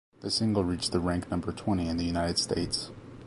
The single reached the rank number twenty in the United States.